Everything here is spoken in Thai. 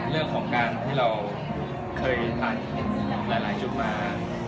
เรื่องของการที่เราเคยผ่านหลายจุดมา